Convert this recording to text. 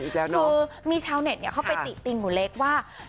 คือมีชาวเน็ตเข้าไปติติงหนูเล็กว่า